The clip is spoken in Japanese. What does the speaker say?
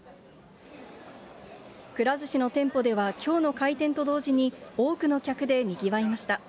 くら寿司の店舗ではきょうの開店と同時に、多くの客でにぎわいました。